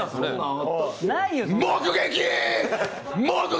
目撃！